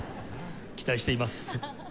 期待しています。